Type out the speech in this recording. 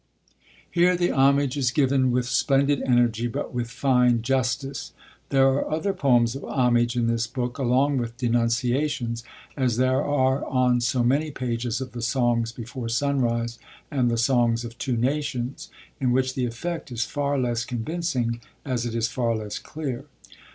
Here the homage is given with splendid energy, but with fine justice. There are other poems of homage in this book, along with denunciations, as there are on so many pages of the Songs before Sunrise and the Songs of Two Nations, in which the effect is far less convincing, as it is far less clear.